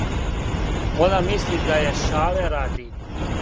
Она мисли да је шале ради.